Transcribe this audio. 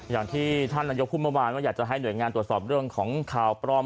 อย่างที่ท่านนายกพูดเมื่อวานว่าอยากจะให้หน่วยงานตรวจสอบเรื่องของข่าวปลอม